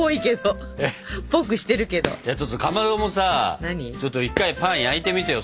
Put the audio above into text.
ちょっとかまどもさ一回パン焼いてみてよ？